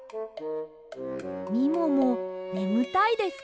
みももねむたいですか？